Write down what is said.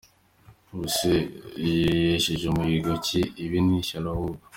Ubuse uyu yesheje muhigo ki?? ibi ni ishyano ahubwo.